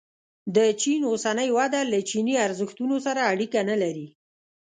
د چین اوسنۍ وده له چیني ارزښتونو سره اړیکه نه لري.